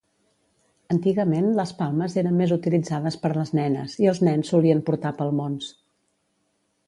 Antigament les palmes eren més utilitzades per les nenes, i els nens solien portar palmons.